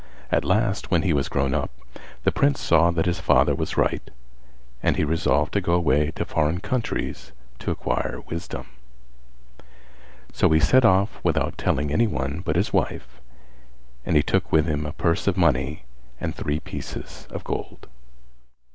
At last when he was grown up, the Prince saw that his father was right and he resolved to go away to foreign countries to acquire wisdom; so he set off without telling anyone but his wife, and he took with him a purse of money and three pieces of gold.